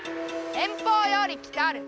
遠方より来たる。